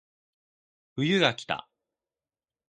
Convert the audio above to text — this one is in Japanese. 冬がきた